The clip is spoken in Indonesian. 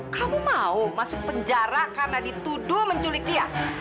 kamu mau masuk penjara karena dituduh menculik dia